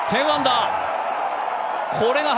１０アンダー。